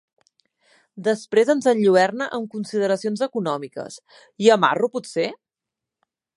Després ens enlluerna amb consideracions econòmiques —"Hi ha marro, potser?